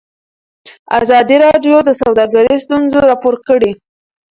ازادي راډیو د سوداګري ستونزې راپور کړي.